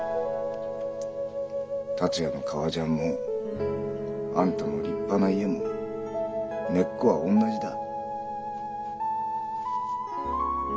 達也の革ジャンもあんたの立派な家も根っこはおんなじだ。